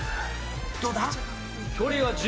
どうだ？